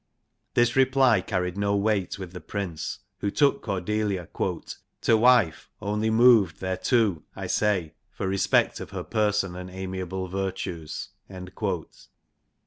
This reply carried no weight with the Prince, who took Cordelia ' to wife only moved thereto ( I say) for respect of her person and amiable virtues.'